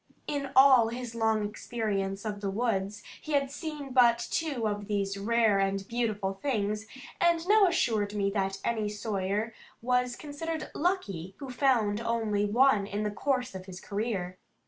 In all his long experience of the woods, he had seen but two of these rare and beautiful things, and now assured me that any sawyer was considered lucky who found only one in the course of his career.